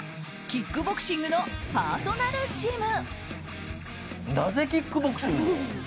キックボクシングのパーソナルジム。